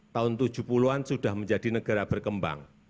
tahun tujuh puluh an sudah menjadi negara berkembang